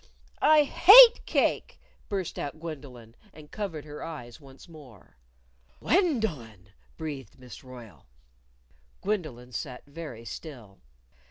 "I hate cake!" burst out Gwendolyn; and covered her eyes once more. "Gwen do lyn!" breathed Miss Royle. Gwendolyn sat very still.